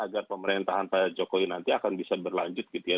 agar pemerintahan pak jokowi nanti akan bisa berlanjut gitu ya